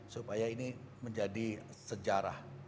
supaya ini menjadi sejarah